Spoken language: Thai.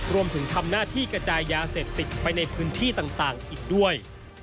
รวมถึงทำหน้าที่กระจายยาเสพติดไปในพื้นที่ต่างอีกด้วย